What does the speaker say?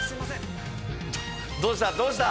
どうした？